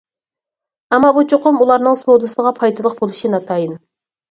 ئەمما بۇ چوقۇم ئۇلارنىڭ سودىسىغا پايدىلىق بولۇشى ناتايىن.